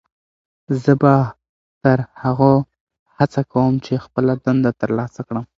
زه به تر هغو هڅه کوم چې خپله دنده ترلاسه کړم.